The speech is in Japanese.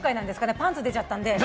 パンツ出ちゃったので。